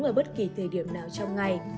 uống ở bất kỳ thời điểm nào trong ngày